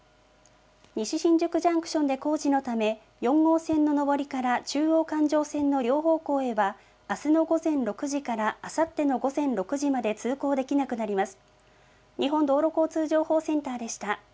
西新宿ジャンクションで工事のため、４号線の上りから中央環状線のへはあすの午前６時からあさっての午前６時まで通行できなくなります。